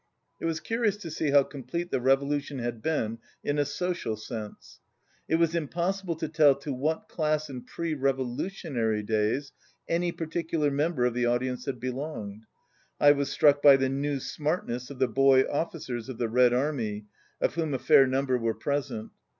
It was curious to see how complete the revolution had been in a social sense. It was impossible to tell to what class in pre revolutionary days any particular member of the audience had belonged. I was struck by the new smartness of the boy officers of the Red Army, of whom a fair number were present.